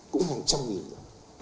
cũng hàng trăm nghìn rồi